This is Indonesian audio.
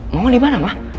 mama dimana ma